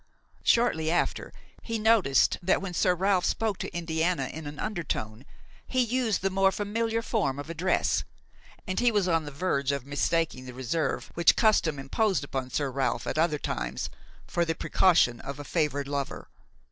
Shortly after he noticed that, when Sir Ralph spoke to Indiana in an undertone, he used the more familiar form of address, and he was on the verge of mistaking the reserve which custom imposed upon Sir Ralph at other times, for the precaution of a favored lover.